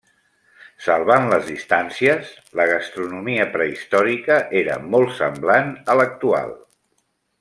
Salvant les distàncies, la gastronomia prehistòrica era molt semblant a l'actual.